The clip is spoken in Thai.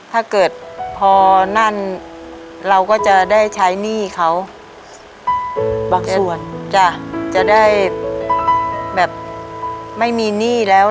ถ้าเกิดพอนั่นเราก็จะได้ใช้หนี้เขาบางส่วนจ้ะจะได้แบบไม่มีหนี้แล้ว